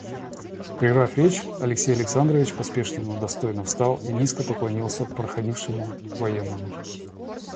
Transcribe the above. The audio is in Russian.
Прервав речь, Алексей Александрович поспешно, но достойно встал и низко поклонился проходившему военному.